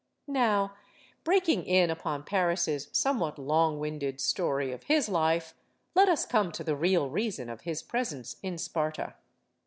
Now, breaking in upon Paris* somewhat long winded story of his life, let us come to the real reason of his presence in Sparta.